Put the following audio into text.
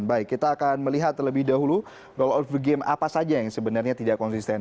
baik kita akan melihat terlebih dahulu rule of the game apa saja yang sebenarnya tidak konsisten